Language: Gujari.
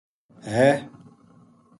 ہے